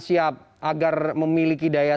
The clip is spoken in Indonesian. siap agar memiliki daya